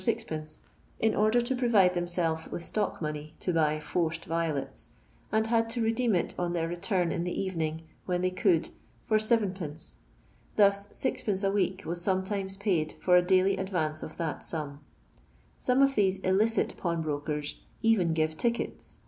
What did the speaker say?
» in order to provide themselves with stock money to buy forced violets, and had to redeem it on their return in the evening, when they could, ibr 7(/. Thus G</. a week was sometimes paid for a daily advance of that sum. Some of theae "iiliek^ pawnbrokers even give tickets.